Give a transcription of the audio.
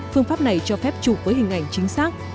phương pháp này cho phép chụp với hình ảnh chính xác